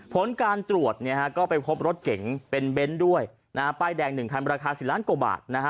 ผลการตรวจเนี่ยก็ไปพบรถเก่งเป็นเบ้นด้วยป้ายแดง๑คันราคา๑๐ล้านกว่าบาทนะฮะ